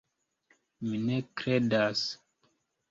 Mi ne kredas!